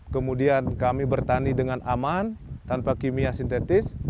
kemudian kami bertani dengan aman tanpa kimia sintetis